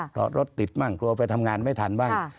เพราะรถติดบ้างกลัวไปทำงานไม่ทันบ้าง